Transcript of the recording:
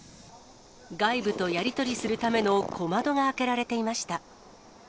外部とやり取りするための小窓が明けられていました。